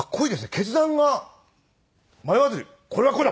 決断が迷わずにこれはこれだ。